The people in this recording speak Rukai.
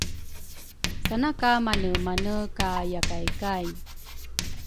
sana ka manemane ka yakay kay.